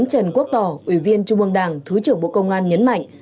trần quốc tỏ ủy viên trung ương đảng thứ trưởng bộ công an nhấn mạnh